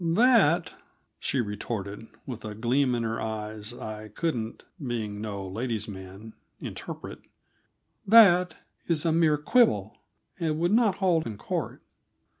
"That," she retorted, with a gleam in her eyes I couldn't being no lady's man interpret "that is a mere quibble, and would not hold in court."